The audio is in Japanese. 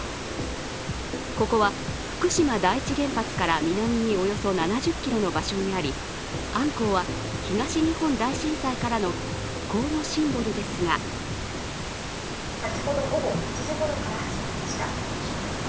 ここは福島第一原発から南におよそ７０ｋｍの場所にあり、あんこうは東日本大震災からの復興のシンボルですが武子能久さん。